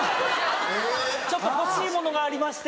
ちょっと欲しいものがありまして。